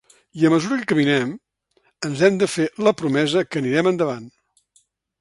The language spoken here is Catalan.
I a mesura que caminem, ens hem de fer la promesa que anirem endavant.